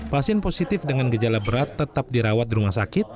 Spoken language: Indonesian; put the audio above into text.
pasien positif dengan gejala berat tetap dirawat di rumah sakit